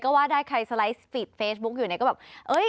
ก็ว่าได้ใครสไลด์ฟิตเฟซบุ๊กอยู่ในก็แบบ